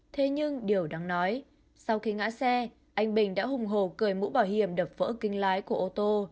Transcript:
thế nhưng điều đáng nói sau khi ngã xe anh bình đã hùng hồ cởi mũ bảo hiểm đập vỡ kính lái của ô tô